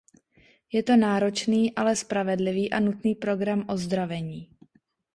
Je to náročný, ale spravedlivý a nutný program ozdravení.